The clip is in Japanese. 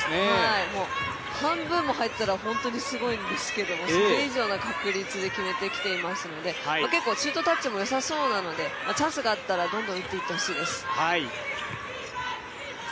半分も入ったら本当にすごいんですけどそれ以上の確率で決めてきていますので結構、シュートタッチもよさそうなのでチャンスがあったらどんどん打っていってほしいです。